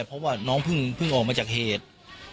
เพราะว่าน้องเพิ่งออกมาจากเหตุ